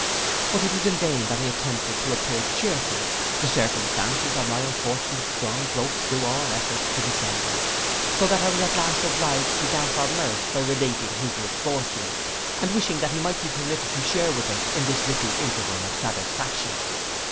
But it was in vain that I attempted to appear chearful, the circumstances of my unfortunate son broke through all efforts to dissemble; so that I was at last obliged to damp our mirth by relating his misfortunes, and wishing that he might be permitted to share with us in this little interval of satisfaction.